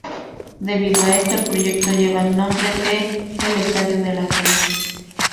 Debido a esto, el proyecto lleva el nombre de ""El Estadio de la Gente"".